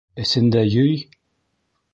Эсендә йөй?!